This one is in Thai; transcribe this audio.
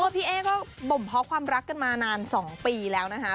พี่เอ๊ก็บ่มเพาะความรักกันมานาน๒ปีแล้วนะคะ